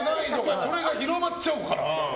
それが広まっちゃうから。